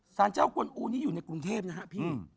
สารเจ้าคนอู๋นี่อยู่ในกรุงเทพฯนะครับพี่